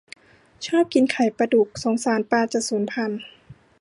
ชอบกินไข่ปลาดุก สงสารปลาจะสูญพันธุ์